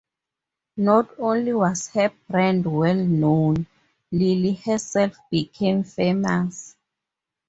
Not only was her brand well known, Lilly herself became famous.